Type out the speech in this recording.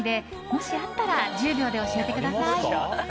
もしあったら１０秒で教えてください。